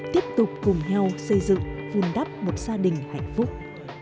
tiếp tục cùng nhau xây dựng vun đắp một gia đình hạnh phúc